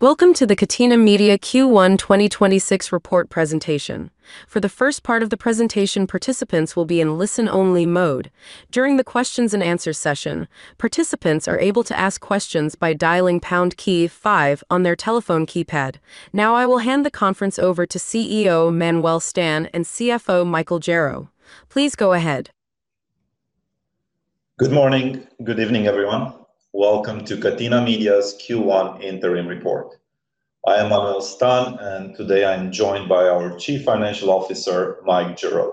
Welcome to the Catena Media Q1 2026 report presentation. For the first part of the presentation, participants will be in listen-only mode. During the questions and answers session, participants are able to ask questions by dialing pound key five on their telephone keypad. Now I will hand the conference over to CEO Manuel Stan and CFO Michael Gerrow. Please go ahead. Good morning, good evening, everyone. Welcome to Catena Media's Q1 interim report. I am Manuel Stan, and today I'm joined by our Chief Financial Officer, Mike Gerrow.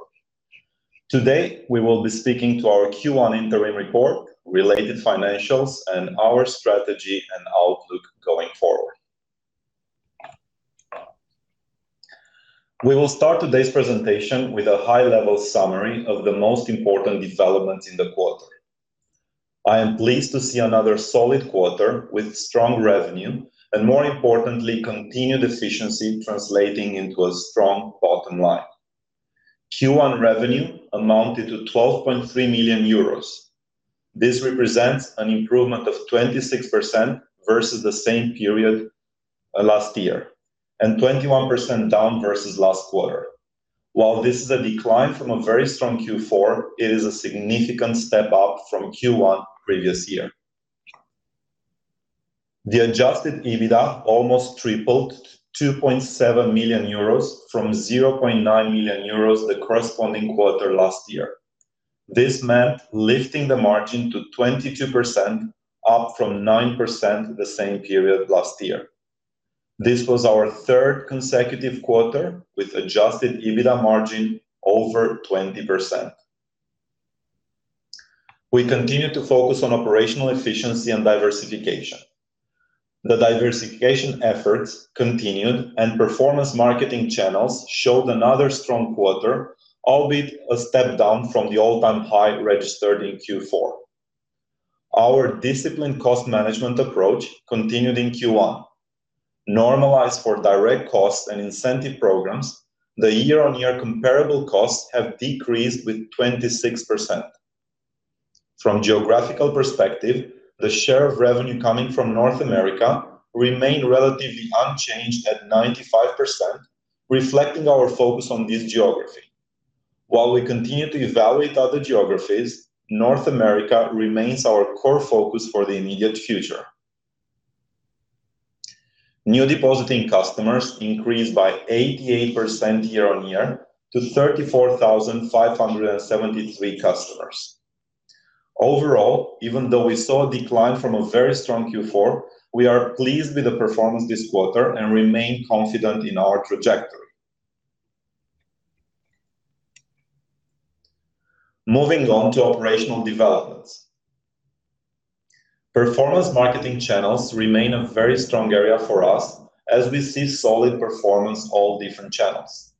Today, we will be speaking to our Q1 interim report, related financials, and our strategy and outlook going forward. We will start today's presentation with a high-level summary of the most important developments in the quarter. I am pleased to see another solid quarter with strong revenue, and more importantly, continued efficiency translating into a strong bottom line. Q1 revenue amounted to 12.3 million euros. This represents an improvement of 26% versus the same period last year, and 21% down versus last quarter. While this is a decline from a very strong Q4, it is a significant step up from Q1 previous year. The adjusted EBITDA almost tripled to 2.7 million euros from 0.9 million euros the corresponding quarter last year. This meant lifting the margin to 22%, up from 9% the same period last year. This was our third consecutive quarter with adjusted EBITDA margin over 20%. We continue to focus on operational efficiency and diversification. The diversification efforts continued, and performance marketing channels showed another strong quarter, albeit a step down from the all-time high registered in Q4. Our disciplined cost management approach continued in Q1. Normalized for direct costs and incentive programs, the year-on-year comparable costs have decreased with 26%. From geographical perspective, the share of revenue coming from North America remained relatively unchanged at 95%, reflecting our focus on this geography. While we continue to evaluate other geographies, North America remains our core focus for the immediate future. New depositing customers increased by 88% year-on-year to 34,573 customers. Overall, even though we saw a decline from a very strong Q4, we are pleased with the performance this quarter and remain confident in our trajectory. Moving on to operational developments. Performance marketing channels remain a very strong area for us as we see solid performance all different channels.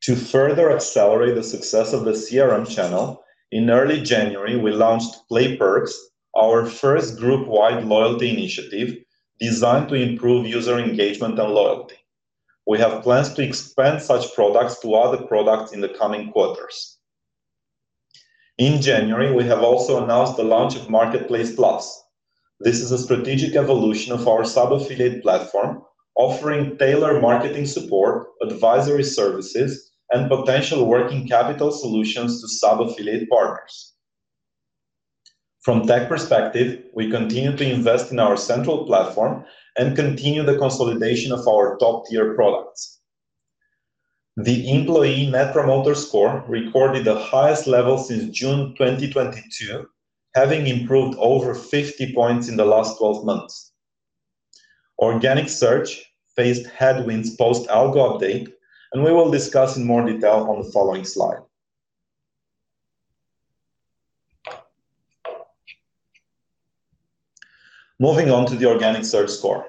To further accelerate the success of the CRM channel, in early January, we launched Play Perks, our first group-wide loyalty initiative designed to improve user engagement and loyalty. We have plans to expand such products to other products in the coming quarters. In January, we have also announced the launch of Marketplace Plus. This is a strategic evolution of our sub-affiliate platform, offering tailored marketing support, advisory services, and potential working capital solutions to sub-affiliate partners. From tech perspective, we continue to invest in our central platform and continue the consolidation of our top-tier products. The employee Net Promoter Score recorded the highest level since June 2022, having improved over 50 points in the last 12 months. Organic search faced headwinds post-algo update. We will discuss in more detail on the following slide. Moving on to the organic search score.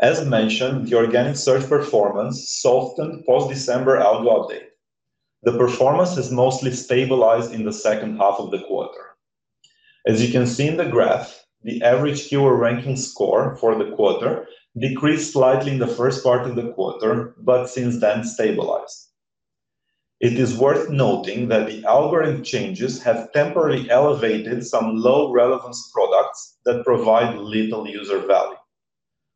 As mentioned, the organic search performance softened post-December algo update. The performance has mostly stabilized in the second half of the quarter. As you can see in the graph, the average keyword ranking score for the quarter decreased slightly in the first part of the quarter, but since then stabilized. It is worth noting that the algorithm changes have temporarily elevated some low relevance products that provide little user value.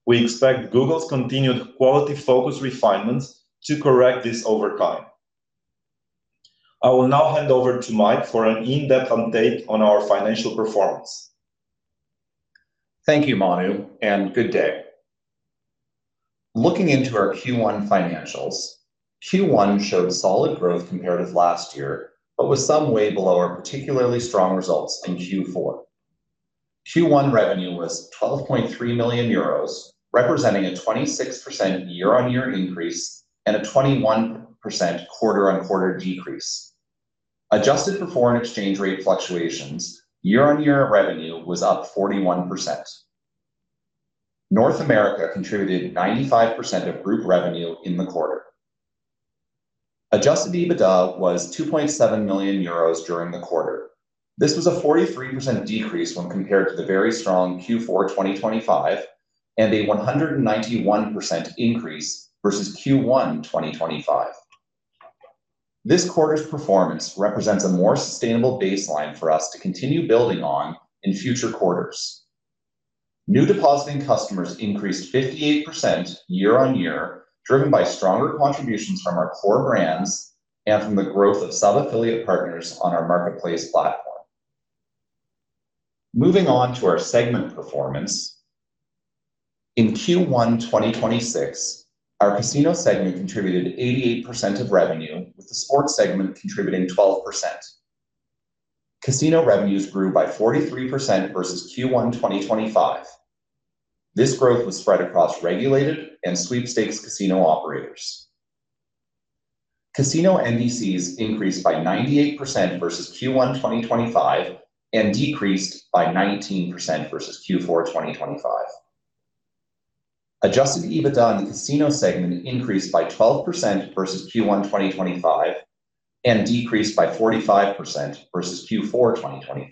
We expect Google's continued quality focus refinements to correct this over time. I will now hand over to Mike for an in-depth update on our financial performance. Thank you, Manu, and good day. Looking into our Q1 financials, Q1 showed solid growth compared with last year, but was some way below our particularly strong results in Q4. Q1 revenue was 12.3 million euros, representing a 26% year-on-year increase and a 21% quarter-on-quarter decrease. Adjusted for foreign exchange rate fluctuations, year-on-year revenue was up 41%. North America contributed 95% of group revenue in the quarter. Adjusted EBITDA was 2.7 million euros during the quarter. This was a 43% decrease when compared to the very strong Q4 2025 and a 191% increase versus Q1 2025. This quarter's performance represents a more sustainable baseline for us to continue building on in future quarters. New depositing customers increased 58% year-on-year, driven by stronger contributions from our core brands and from the growth of sub-affiliate partners on our marketplace platform. Moving on to our segment performance. In Q1 2026, our casino segment contributed 88% of revenue, with the sports segment contributing 12%. Casino revenues grew by 43% versus Q1 2025. This growth was spread across regulated and sweepstakes casino operators. Casino NDCs increased by 98% versus Q1 2025 and decreased by 19% versus Q4 2025. Adjusted EBITDA in the casino segment increased by 12% versus Q1 2025 and decreased by 45% versus Q4 2025.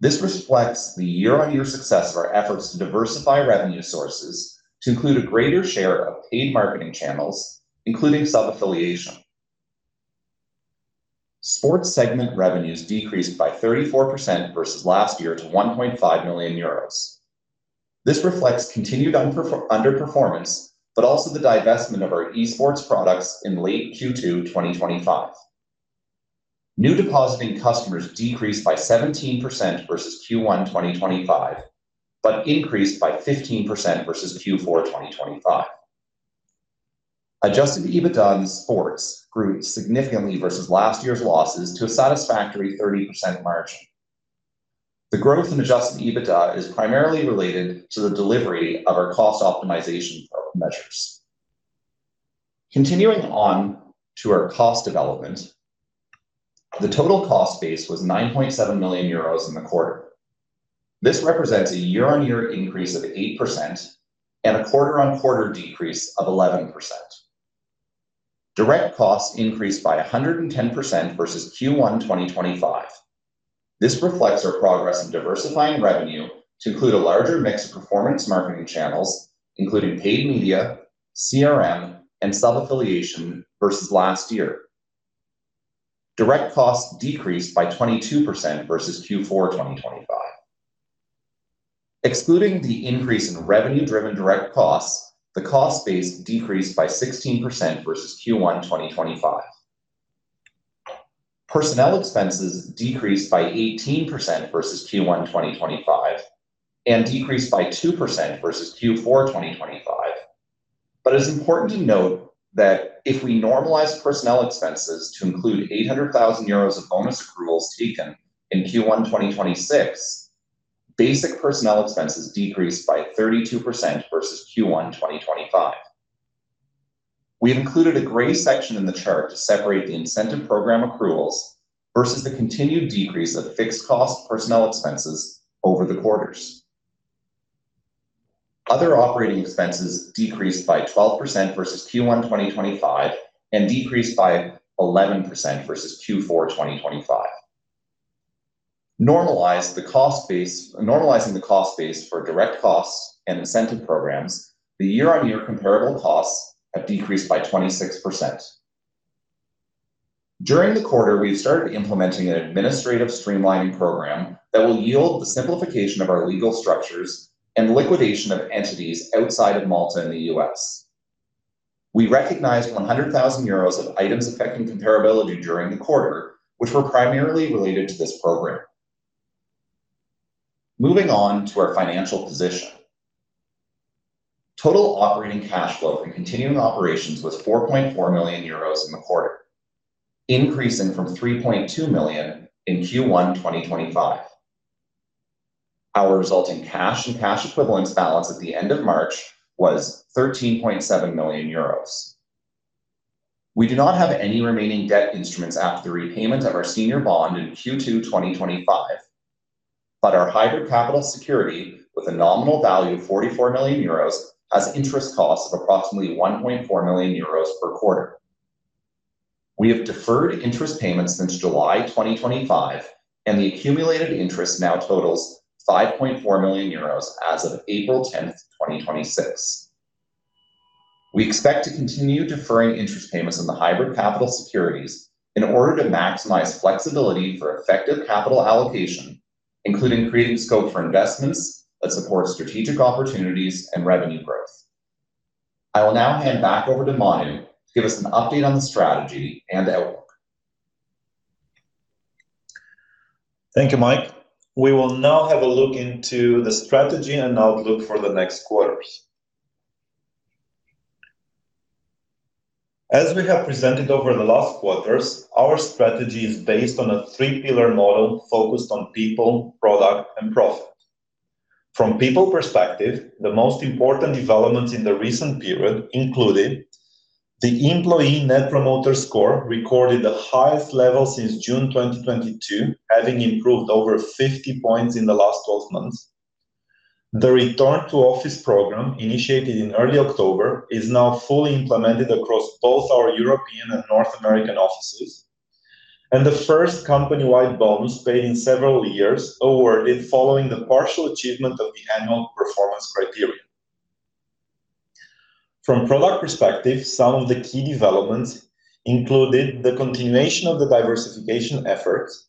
This reflects the year-on-year success of our efforts to diversify revenue sources to include a greater share of paid marketing channels, including sub-affiliation. Sports segment revenues decreased by 34% versus last year to 1.5 million euros. This reflects continued underperformance, but also the divestment of our esports products in late Q2 2025. New Depositing Customers decreased by 17% versus Q1 2025, but increased by 15% versus Q4 2025. Adjusted EBITDA in sports grew significantly versus last year's losses to a satisfactory 30% margin. The growth in adjusted EBITDA is primarily related to the delivery of our cost optimization program measures. Continuing on to our cost development, the total cost base was 9.7 million euros in the quarter. This represents a year-on-year increase of 8% and a quarter-on-quarter decrease of 11%. Direct costs increased by 110% versus Q1 2025. This reflects our progress in diversifying revenue to include a larger mix of performance marketing channels, including paid media, CRM, and sub-affiliation versus last year. Direct costs decreased by 22% versus Q4 2025. Excluding the increase in revenue-driven direct costs, the cost base decreased by 16% versus Q1 2025. Personnel expenses decreased by 18% versus Q1 2025 and decreased by 2% versus Q4 2025. It's important to note that if we normalize personnel expenses to include 800,000 euros of bonus accruals taken in Q1 2026, basic personnel expenses decreased by 32% versus Q1 2025. We included a gray section in the chart to separate the incentive program accruals versus the continued decrease of fixed cost personnel expenses over the quarters. Other operating expenses decreased by 12% versus Q1 2025 and decreased by 11% versus Q4 2025. Normalizing the cost base for direct costs and incentive programs, the year-on-year comparable costs have decreased by 26%. During the quarter, we've started implementing an administrative streamlining program that will yield the simplification of our legal structures and the liquidation of entities outside of Malta and the U.S. We recognized 100,000 euros of items affecting comparability during the quarter, which were primarily related to this program. Moving on to our financial position. Total operating cash flow from continuing operations was 4.4 million euros in the quarter, increasing from 3.2 million in Q1 2025. Our resulting cash and cash equivalents balance at the end of March was 13.7 million euros. We do not have any remaining debt instruments after the repayment of our senior bond in Q2 2025, but our hybrid capital security, with a nominal value of 44 million euros, has interest costs of approximately 1.4 million euros per quarter. We have deferred interest payments since July 2025, and the accumulated interest now totals 5.4 million euros as of April 10th, 2026. We expect to continue deferring interest payments on the hybrid capital securities in order to maximize flexibility for effective capital allocation, including creating scope for investments that support strategic opportunities and revenue growth. I will now hand back over to Manu to give us an update on the strategy and outlook. Thank you, Mike. We will now have a look into the strategy and outlook for the next quarters. As we have presented over the last quarters, our strategy is based on a three-pillar model focused on people, product, and profit. From people perspective, the most important developments in the recent period included the employee Net Promoter Score recorded the highest level since June 2022, having improved over 50 points in the last 12 months. The return to office program, initiated in early October, is now fully implemented across both our European and North American offices. The first company-wide bonus paid in several years awarded following the partial achievement of the annual performance criteria. From product perspective, some of the key developments included the continuation of the diversification efforts.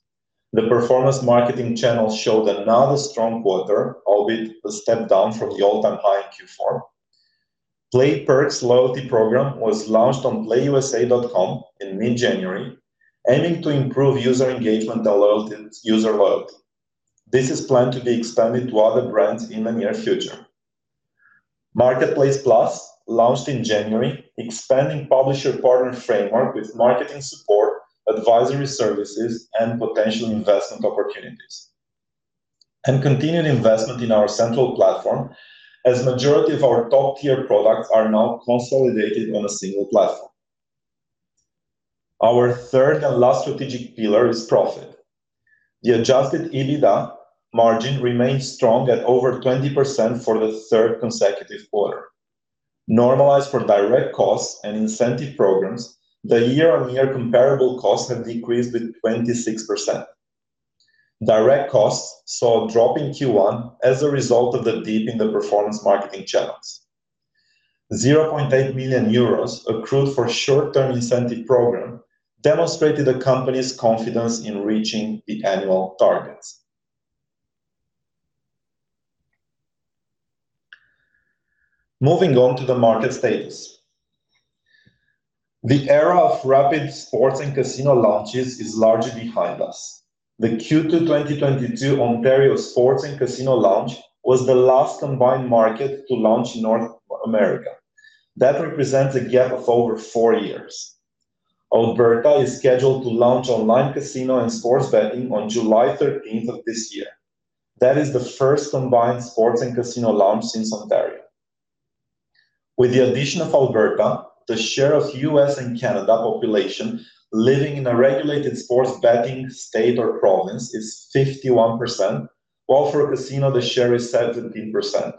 The performance marketing channels showed another strong quarter, albeit a step down from the all-time high in Q4. Play Perks loyalty program was launched on playusa.com in mid-January, aiming to improve user engagement and loyalty and user load. This is planned to be expanded to other brands in the near future. Marketplace Plus launched in January, expanding publisher partner framework with marketing support, advisory services, and potential investment opportunities. Continued investment in our central platform, as majority of our top-tier products are now consolidated on a single platform. Our third and last strategic pillar is profit. The adjusted EBITDA margin remains strong at over 20% for the third consecutive quarter. Normalized for direct costs and incentive programs, the year-on-year comparable costs have decreased by 26%. Direct costs saw a drop in Q1 as a result of the dip in the performance marketing channels. 0.8 million euros accrued for short-term incentive program demonstrated the company's confidence in reaching the annual targets. Moving on to the market status. The era of rapid sports and casino launches is largely behind us. The Q2 2022 Ontario sports and casino launch was the last combined market to launch in North America. That represents a gap of over four years. Alberta is scheduled to launch online casino and sports betting on July 13th of this year. That is the first combined sports and casino launch since Ontario. With the addition of Alberta, the share of U.S. and Canada population living in a regulated sports betting state or province is 51%, while for casino the share is 17%.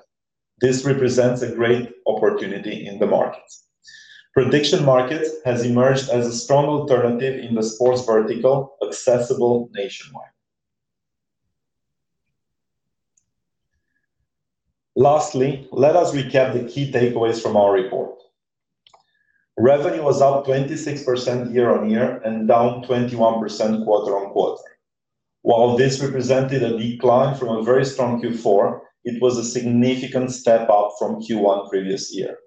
This represents a great opportunity in the market. Prediction market has emerged as a strong alternative in the sports vertical, accessible nationwide. Lastly, let us recap the key takeaways from our report. Revenue was up 26% year-on-year and down 21% quarter-on-quarter. While this represented a decline from a very strong Q4, it was a significant step up from Q1 previous year.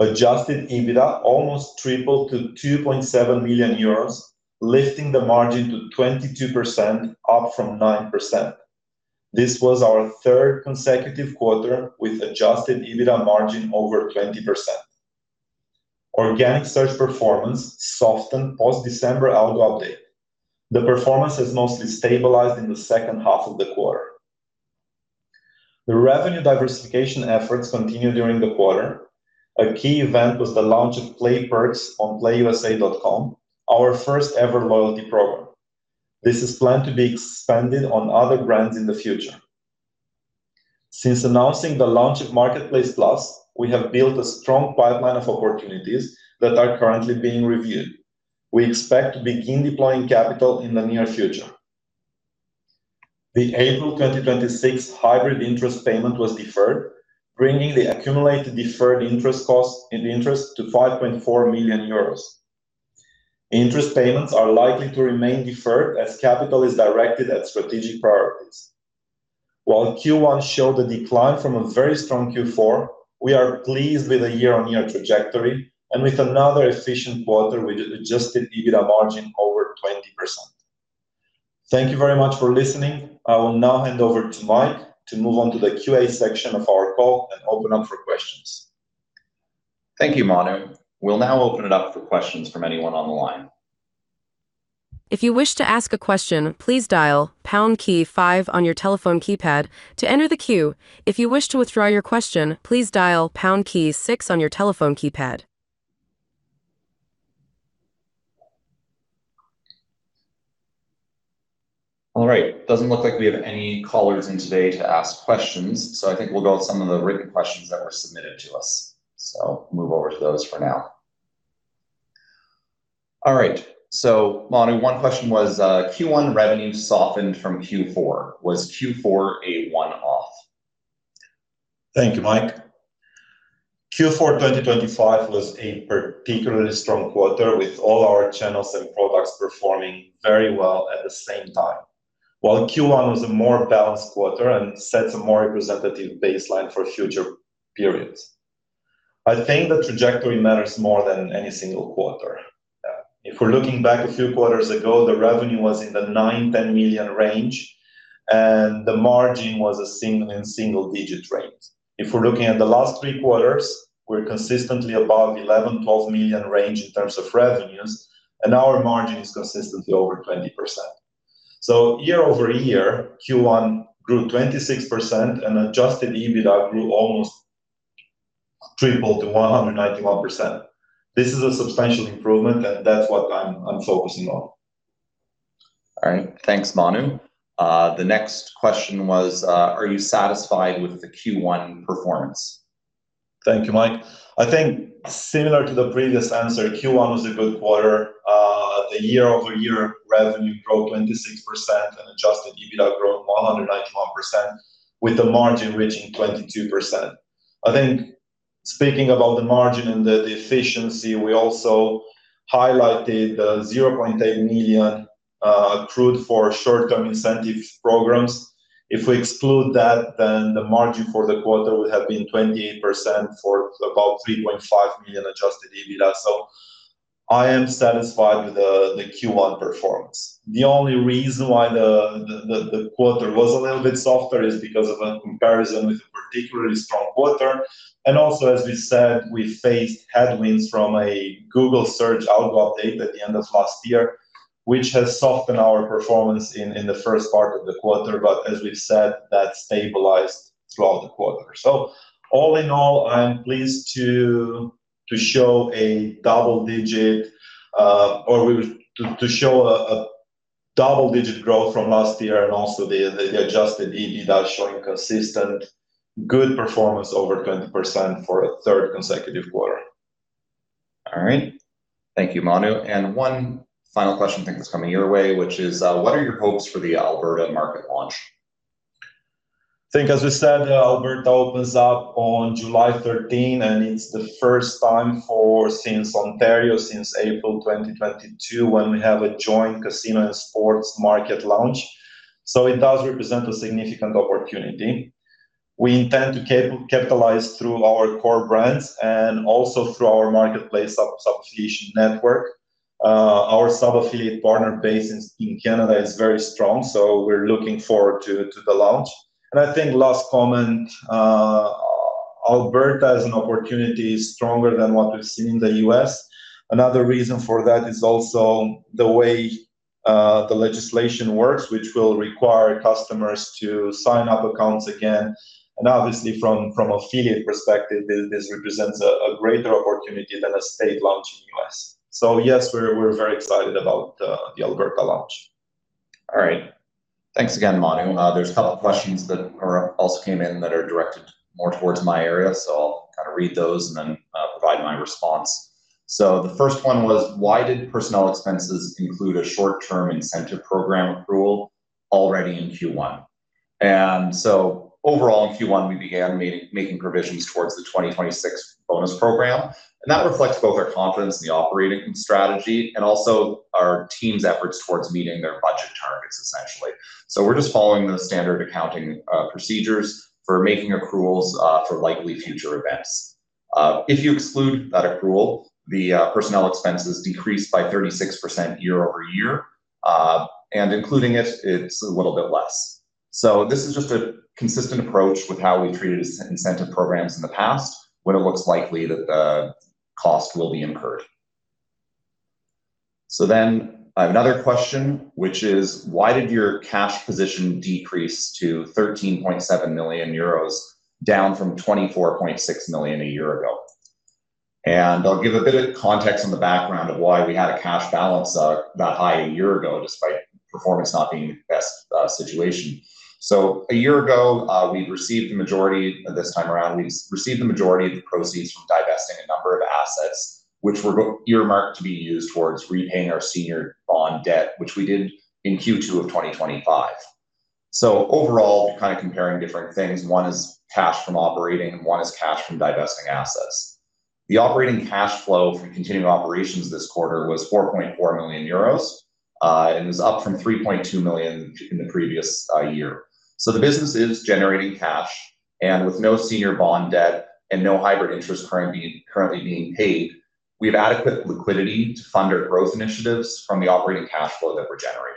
Adjusted EBITDA almost tripled to 2.7 million euros, lifting the margin to 22%, up from 9%. This was our third consecutive quarter with adjusted EBITDA margin over 20%. Organic search performance softened post-December algo update. The performance has mostly stabilized in the second half of the quarter. The revenue diversification efforts continued during the quarter. A key event was the launch of Play Perks on playusa.com, our first ever loyalty program. This is planned to be expanded on other brands in the future. Since announcing the launch of Marketplace Plus, we have built a strong pipeline of opportunities that are currently being reviewed. We expect to begin deploying capital in the near future. The April 2026 hybrid interest payment was deferred, bringing the accumulated deferred interest costs and interest to 5.4 million euros. Interest payments are likely to remain deferred as capital is directed at strategic priorities. While Q1 showed a decline from a very strong Q4, we are pleased with the year-on-year trajectory and with another efficient quarter with adjusted EBITDA margin over 20%. Thank you very much for listening. I will now hand over to Mike to move on to the Q&A section of our call and open up for questions. Thank you, Manu. We'll now open it up for questions from anyone on the line. If you wish to ask a question, please dial pound key five on your telephone keypad to enter the queue. If you wish to withdraw your question, please dial pound key six on your telephone keypad. All right. Doesn't look like we have any callers in today to ask questions. I think we'll go with some of the written questions that were submitted to us. Move over to those for now. All right. Manu, one question was, Q1 revenue softened from Q4. Was Q4 a one-off? Thank you, Mike. Q4 2025 was a particularly strong quarter with all our channels and products performing very well at the same time, while Q1 was a more balanced quarter and sets a more representative baseline for future periods. I think the trajectory matters more than any single quarter. If we're looking back a few quarters ago, the revenue was in the 9 million-10 million range, and the margin was a single-digit range. If we're looking at the last three quarters, we're consistently above 11 million-12 million range in terms of revenues, and our margin is consistently over 20%. Year-over-year, Q1 grew 26%, and adjusted EBITDA grew almost triple to 191%. This is a substantial improvement, and that's what I'm focusing on. All right. Thanks, Manu. The next question was, are you satisfied with the Q1 performance? Thank you, Mike. I think similar to the previous answer, Q1 was a good quarter. The year-over-year revenue grew 26% and adjusted EBITDA growth 191% with the margin reaching 22%. I think speaking about the margin and the efficiency, we also highlighted the 0.8 million accrued for short-term incentive programs. If we exclude that, the margin for the quarter would have been 28% for about 3.5 million adjusted EBITDA. I am satisfied with the Q1 performance. The only reason why the quarter was a little bit softer is because of a comparison with a particularly strong quarter. Also, as we said, we faced headwinds from a Google Search algo update at the end of last year, which has softened our performance in the first part of the quarter. As we've said, that stabilized throughout the quarter. All in all, I'm pleased to show a double digit growth from last year and also the adjusted EBITDA showing consistent good performance over 20% for a third consecutive quarter. All right. Thank you, Manu. One final question I think that's coming your way, which is, what are your hopes for the Alberta market launch? I think as we said, Alberta opens up on July 13, and it's the first time for since Ontario, since April 2022, when we have a joint casino and sports market launch. It does represent a significant opportunity. We intend to capitalize through our core brands and also through our marketplace sub-affiliate network. Our sub-affiliate partner base in Canada is very strong, so we're looking forward to the launch. I think last comment, Alberta is an opportunity stronger than what we've seen in the U.S. Another reason for that is also the way the legislation works, which will require customers to sign up accounts again. Obviously from affiliate perspective, this represents a greater opportunity than a state launch in U.S. Yes, we're very excited about the Alberta launch. All right. Thanks again, Manu. There's a couple of questions that also came in that are directed more towards my area, I'll kind of read those and then provide my response. The first one was why did personnel expenses include a short-term incentive program accrual already in Q1? Overall in Q1, we began making provisions towards the 2026 bonus program, and that reflects both our confidence in the operating strategy and also our team's efforts towards meeting their budget targets, essentially. We're just following the standard accounting procedures for making accruals for likely future events. If you exclude that accrual, the personnel expenses decreased by 36% year-over-year, and including it's a little bit less. This is just a consistent approach with how we treated incentive programs in the past when it looks likely that the cost will be incurred. Another question, which is why did your cash position decrease to 13.7 million euros down from 24.6 million a year ago? I'll give a bit of context on the background of why we had a cash balance that high a year ago, despite performance not being the best situation. A year ago, this time around, we received the majority of the proceeds from divesting a number of assets, which were earmarked to be used towards repaying our senior bond debt, which we did in Q2 2025. Overall, kind of comparing different things, one is cash from operating, and one is cash from divesting assets. The operating cash flow from continuing operations this quarter was 4.4 million euros, and it was up from 3.2 million in the previous year. The business is generating cash, and with no senior bond debt and no hybrid interest currently being paid, we have adequate liquidity to fund our growth initiatives from the operating cash flow that we're generating.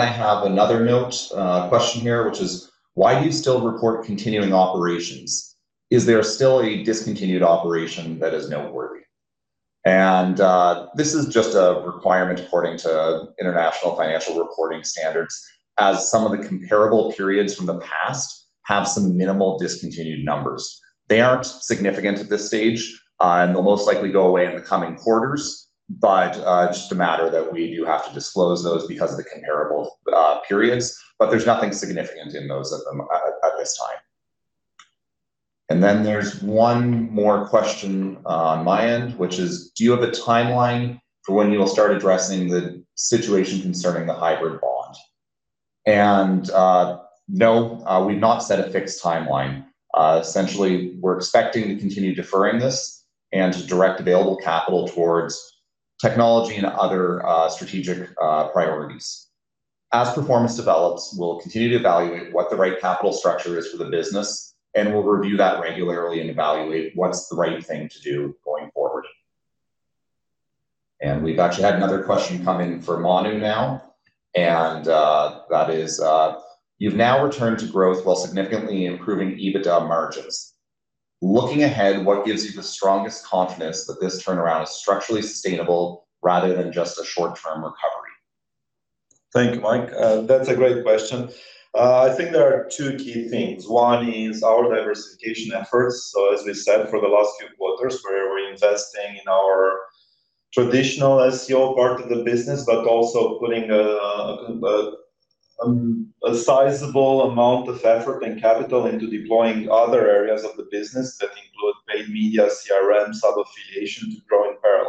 I have another note question here, which is why do you still report continuing operations? Is there still a discontinued operation that is noteworthy? This is just a requirement according to international financial reporting standards, as some of the comparable periods from the past have some minimal discontinued numbers. They aren't significant at this stage, and they'll most likely go away in the coming quarters. Just a matter that we do have to disclose those because of the comparable periods. There's nothing significant in those at this time. There's one more question on my end, which is do you have a timeline for when you'll start addressing the situation concerning the hybrid bond? No, we've not set a fixed timeline. Essentially, we're expecting to continue deferring this and to direct available capital towards technology and other strategic priorities. As performance develops, we'll continue to evaluate what the right capital structure is for the business, and we'll review that regularly and evaluate what's the right thing to do going forward. We've actually had another question come in for Manu now, that is, you've now returned to growth while significantly improving EBITDA margins. Looking ahead, what gives you the strongest confidence that this turnaround is structurally sustainable rather than just a short-term recovery? Thank you, Mike. That's a great question. I think there are two key things. One is our diversification efforts. As we said for the last few quarters, we're reinvesting in our traditional SEO part of the business, but also putting a sizable amount of effort and capital into deploying other areas of the business that include paid media, CRM, sub-affiliation to grow in parallel.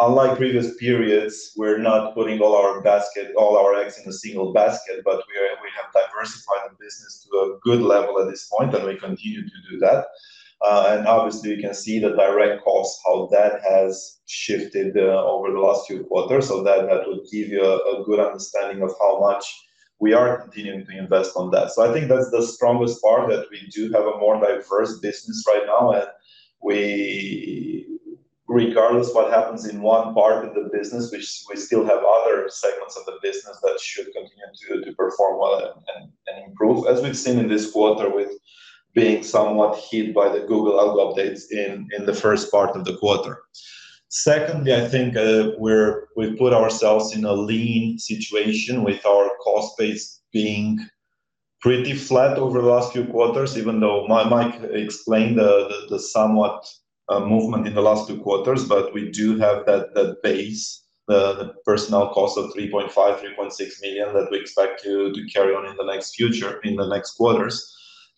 Unlike previous periods, we're not putting all our basket, all our eggs in a single basket, but we have diversified the business to a good level at this point, and we continue to do that. Obviously you can see the direct costs, how that has shifted over the last few quarters so that would give you a good understanding of how much we are continuing to invest on that. I think that's the strongest part, that we do have a more diverse business right now and we regardless what happens in one part of the business, which we still have other segments of the business that should continue to perform well and improve. As we've seen in this quarter with being somewhat hit by the Google Algo updates in the first part of the quarter. Secondly, I think we've put ourselves in a lean situation with our cost base being pretty flat over the last few quarters, even though Mike explained the somewhat movement in the last two quarters. We do have that base, the personnel cost of 3.5 million-3.6 million that we expect to carry on in the next future, in the next quarters.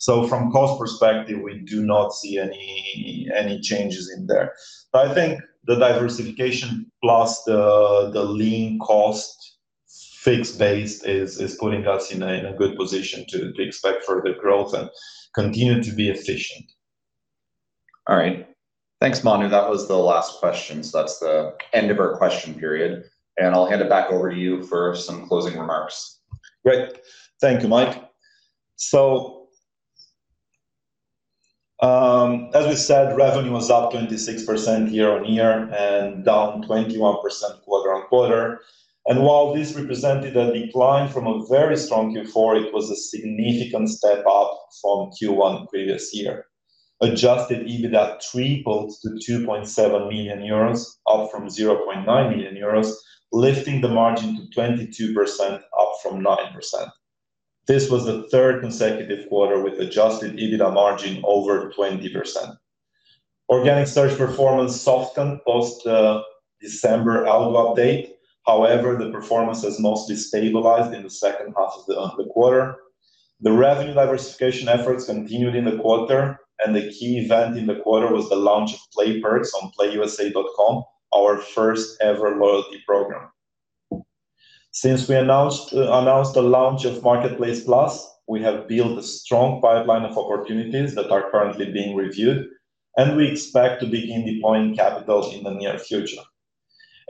From cost perspective, we do not see any changes in there. I think the diversification plus the lean cost fixed base is putting us in a good position to expect further growth and continue to be efficient. All right. Thanks, Manu. That was the last question, so that's the end of our question period. I'll hand it back over to you for some closing remarks. Great. Thank you, Mike. As we said, revenue was up 26% year-on-year and down 21% quarter-on-quarter. While this represented a decline from a very strong Q4, it was a significant step up from Q1 previous year. Adjusted EBITDA tripled to 2.7 million euros, up from 0.9 million euros, lifting the margin to 22% up from 9%. This was the third consecutive quarter with adjusted EBITDA margin over 20%. Organic search performance softened post the December algo update. The performance has mostly stabilized in the second half of the quarter. The revenue diversification efforts continued in the quarter, and the key event in the quarter was the launch of Play Perks on playusa.com, our first ever loyalty program. Since we announced the launch of Marketplace Plus, we have built a strong pipeline of opportunities that are currently being reviewed, and we expect to begin deploying capital in the near future.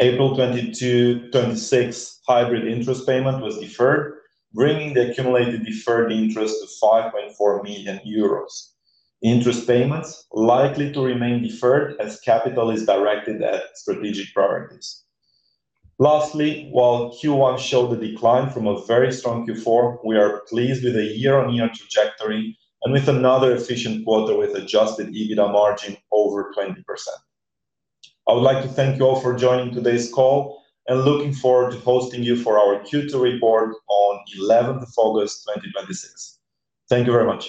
April 22, 2026 hybrid interest payment was deferred, bringing the accumulated deferred interest to 5.4 million euros. Interest payments likely to remain deferred as capital is directed at strategic priorities. Lastly, while Q1 showed a decline from a very strong Q4, we are pleased with the year-on-year trajectory and with another efficient quarter with adjusted EBITDA margin over 20%. I would like to thank you all for joining today's call, and looking forward to hosting you for our Q2 report on August 11, 2026. Thank you very much.